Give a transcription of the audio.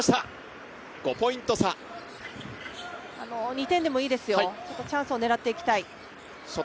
２点でもいいですよ、チャンスを狙っていきたい。